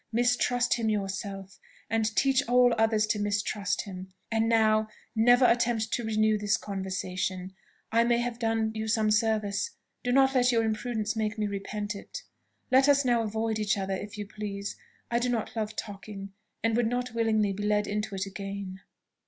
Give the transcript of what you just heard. Mistrust him yourself, and teach all others to mistrust him. And now, never attempt to renew this conversation. I may have done you some service do not let your imprudence make me repent it. Let us now avoid each other if you please: I do not love talking, and would not willingly be led into it again."